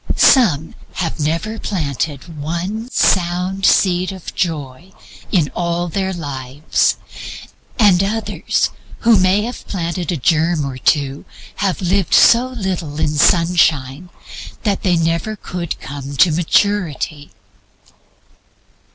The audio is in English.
Some have never planted one sound seed of Joy in all their lives; and others who may have planted a germ or two have lived so little in sunshine that they never could come to maturity.